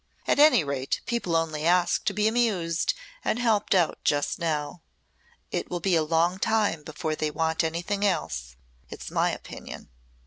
At any rate people only ask to be amused and helped out just now. It will be a long time before they want anything else, it's my opinion."